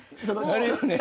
あるよね。